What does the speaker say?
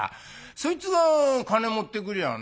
そいつが金持ってくりゃあね